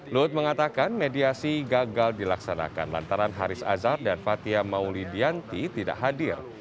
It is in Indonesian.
luhut mengatakan mediasi gagal dilaksanakan lantaran haris azhar dan fathia mauli dianti tidak hadir